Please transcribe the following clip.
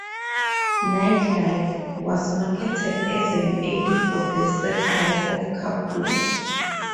"Night Life" was marketed as an aid for the sex life of couples.